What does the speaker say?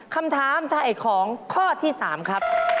คำถามถ่ายของข้อที่๓ครับ